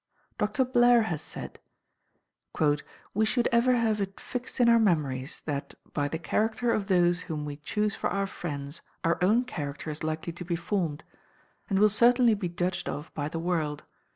Dr. Blair has said: "We should ever have it fixed in our memories, that by the character of those whom we choose for our friends our own character is likely to be formed, and will certainly be judged of by the world.